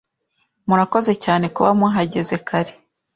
Murakoze cyane kuba muhageze kare